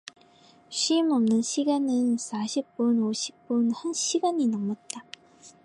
쉬임 없는 시간은 사십 분 오십 분 한 시간이 넘었다.